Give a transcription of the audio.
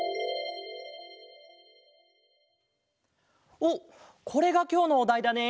おっこれがきょうのおだいだね？